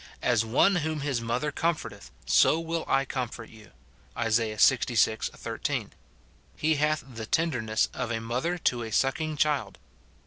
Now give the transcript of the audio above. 297 *' as one whom his mother comforteth, so will I comfort you," Isa. Ixvi. 13. He hath the tenderness of a mother to a sucking child.